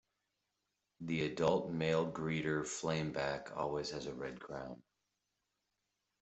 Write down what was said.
The adult male greater flameback always has a red crown.